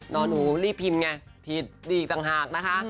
นอนหนูรีบพิมพ์ไงพีดดีจังหากนะคะ